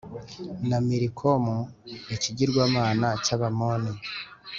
na Milikomu ikigirwamana cy’Abamoni